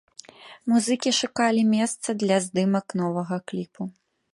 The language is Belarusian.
Музыкі шукалі месца для здымак новага кліпу.